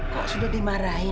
kok sudah dimarahin